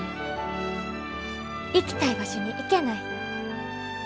行きたい場所に行けない。